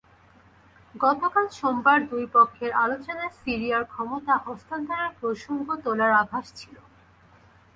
গতকাল সোমবার দুই পক্ষের আলোচনায় সিরিয়ার ক্ষমতা হস্তান্তরের প্রসঙ্গ তোলার আভাস ছিল।